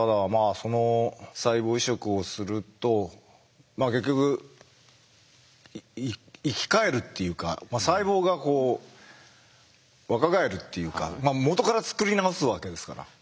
その細胞移植をすると結局生き返るっていうか細胞がこう若返るっていうかもとから作り直すわけですから。